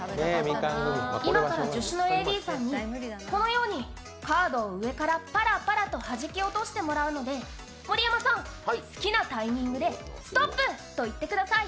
今から助手のＡＤさんにこのようにカードを上からパラパラとおとしてもらうので盛山さん、好きなタイミングでストップと言ってください。